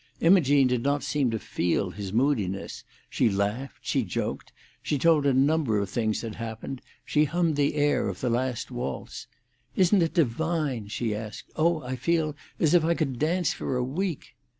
Imogene did not seem to feel his moodiness; she laughed, she joked, she told a number of things that happened, she hummed the air of the last waltz. "Isn't it divine?" she asked. "Oh! I feel as if I could dance for a week."